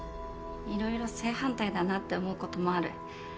色々正反対だなって思うこともある。